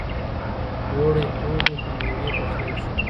اوړی تود وي خو مېوې پخيږي.